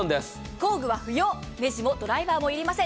工具は不要、ネジもドライバーも要りません。